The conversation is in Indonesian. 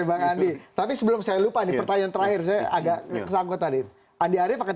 bang andi tapi sebelum saya lupa nih pertanyaan terakhir saya agak sanggup tadi andi arief akan